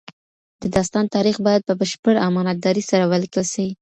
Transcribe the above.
د داستان تاریخ باید په بشپړ امانتدارۍ سره ولیکل سي.